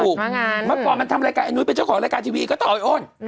เมื่อก่อนมันทำรายการไอ้นุ้ยเป็นเจ้าของรายการทีวีก็ต้องเอาไอ้อ้น